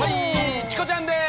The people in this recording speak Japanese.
チコちゃんです。